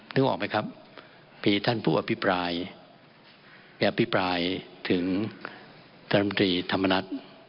นึกออกไหมครับพี่ท่านพูดว่าอภิปรายอภิปรายถึงรำตรีธรรมนัส